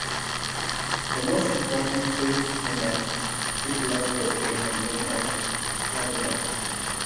The most important priest in a titulus was given the name of Cardinal.